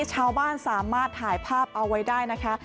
ชาวบ้านสามารถถ่ายภาพเอาไว้ได้นะคะ